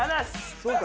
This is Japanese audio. そうか。